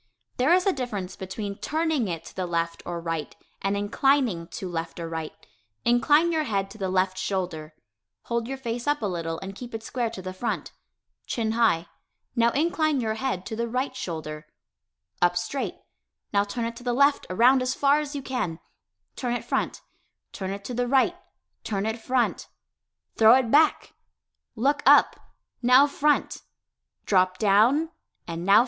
There is a difference between turning it to the left or right and inclining to left or right. Incline your head to the left shoulder hold your face up a little and keep it square to the front chin high now incline your head to the right shoulder up straight now turn it to the left (around as far as you can) turn it front turn it to the "right" turn it "front" throw it "back" look up, now "front" drop "down" and now "front."